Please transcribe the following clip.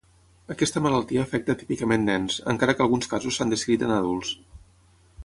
Aquesta malaltia afecta típicament nens, encara que alguns casos s'han descrit en adults.